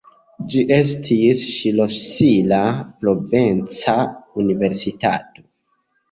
Ĝi estis ŝlosila provinca universitato.